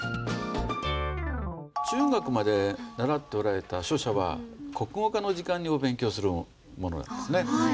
中学まで習っておられた書写は国語科の時間にお勉強するものなんですね。